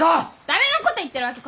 誰のこと言ってるわけ。